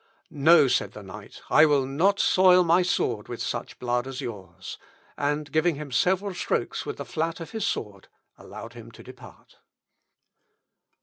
"No," said the knight, "I will not soil my sword with such blood as yours!" and giving him several strokes with the flat of his sword, allowed him to depart.